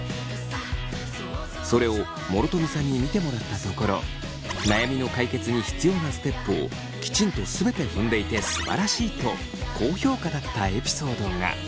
それを諸富さんに見てもらったところ悩みの解決に必要なステップをきちんと全て踏んでいてすばらしいと高評価だったエピソードが。